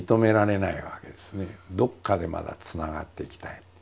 どっかでまだつながっていきたい。